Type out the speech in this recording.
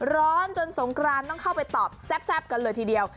ร้อนจนสงกรานต้องเข้าไปตอบแซ่บกันเลยทีเดียว